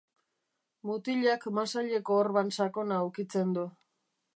Mutilak masaileko orban sakona ukitzen du.